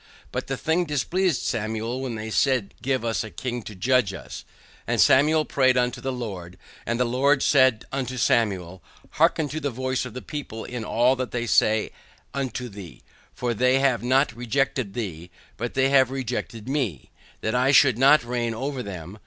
BUT THE THING DISPLEASED SAMUEL WHEN THEY SAID, GIVE US A KING TO JUDGE US; AND SAMUEL PRAYED UNTO THE LORD, AND THE LORD SAID UNTO SAMUEL, HEARKEN UNTO THE VOICE OF THE PEOPLE IN ALL THAT THEY SAY UNTO THEE, FOR THEY HAVE NOT REJECTED THEE, BUT THEY HAVE REJECTED ME, THAT I SHOULD NOT REIGN OVER THEM.